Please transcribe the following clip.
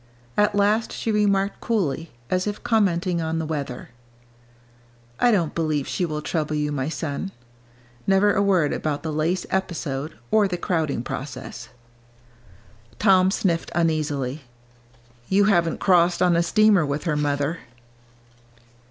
At last she remarked coolly, as if commenting on the weather, "I don't believe she will trouble you, my son." Never a word about the lace episode or the crowding process. Tom sniffed uneasily. "You haven't crossed on a steamer with her, mother."